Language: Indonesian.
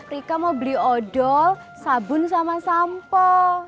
rika mau beli odol sabun sama sampo